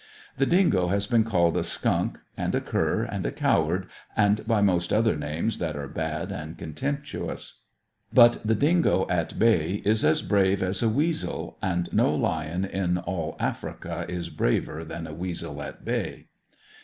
The dingo has been called a skunk, and a cur, and a coward, and by most other names that are bad and contemptuous. But the dingo at bay is as brave as a weasel; and no lion in all Africa is braver than a weasel at bay.